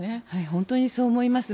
本当にそう思います。